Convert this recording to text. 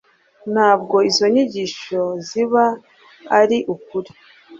Nubwo izo nyigisho ziba ari ukuri,